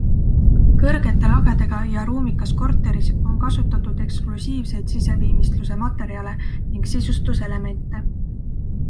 Kõrgete lagedega ja ruumikas korteris on kasutatud eksklusiivseid siseviimistluse materjale ning sisustuselemente.